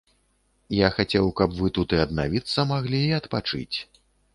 Я хацеў, каб вы тут і аднавіцца маглі, і адпачыць.